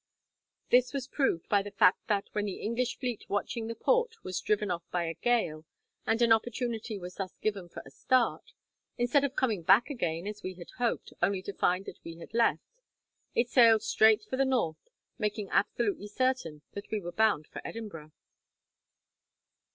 This was proved by the fact that, when the English fleet watching the port was driven off by a gale, and an opportunity was thus given for a start, instead of coming back again, as we had hoped, only to find that we had left, it sailed straight for the north, making absolutely certain that we were bound for Edinburgh."